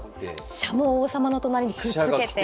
飛車も王様の隣にくっつけて。